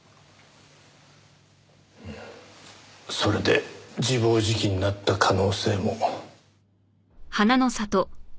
それで自暴自棄になった可能性も。